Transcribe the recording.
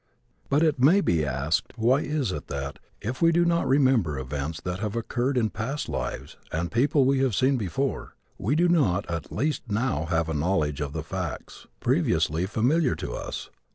But it may be asked why it is that, if we do not remember events that have occurred in past lives and people we have seen before, we do not at least now have a knowledge of the facts previously familiar to us.